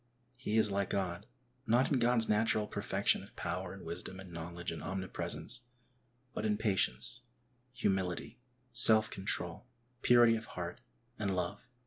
He is like God, not in God's natural perfection of power and wisdom and knowledge and omnipresence, but in patience, humility, self control, purity of heart, and love.